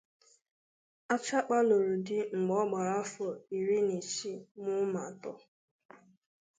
Achakpa lụrụ di mgbe ọ gbara afọ iri na isii muo ụmụ atọ.